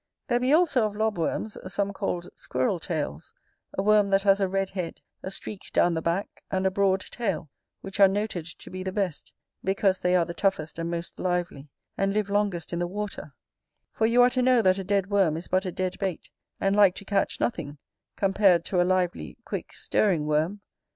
There be also of lob worms, some called squirrel tails, a worm that has a red head, a streak down the back, and a broad tail, which are noted to be the best, because they are the toughest and most lively, and live longest in the water; for you are to know that a dead worm is but a dead bait, and like to catch nothing, compared to a lively, quick, stirring worm.